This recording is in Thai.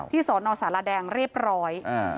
สอนอสารแดงเรียบร้อย